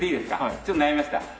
ちょっと悩みました？